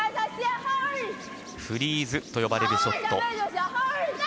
フリーズと呼ばれるショット。